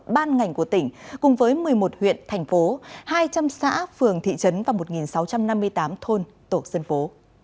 ban ngành của tỉnh cùng với một mươi một huyện thành phố hai trăm linh xã phường thị trấn và một sáu trăm năm mươi tám thôn tổ dân phố